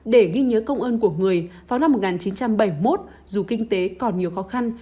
để ghi nhớ công ơn của người vào năm một nghìn chín trăm bảy mươi một dù kinh tế còn nhiều khó khăn